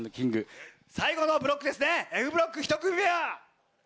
最後のブロックですねＦブロック１組目は。